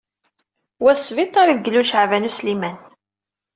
Wa d sbiṭar ideg ilul Caɛban U Sliman.